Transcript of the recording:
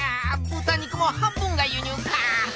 豚肉も半分が輸入か！